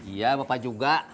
iya bapak juga